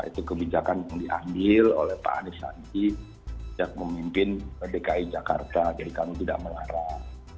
itu kebijakan yang diambil oleh pak anies sandi sejak memimpin dki jakarta jadi kami tidak melarang